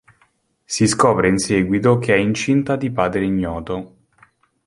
Si scopre in seguito che è incinta di padre ignoto.